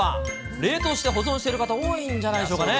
冷凍して保存している方、多いんじゃないでしょうかね。